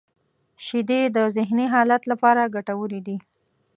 • شیدې د ذهنی حالت لپاره ګټورې دي.